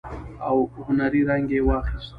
او هنري رنګ يې واخيست.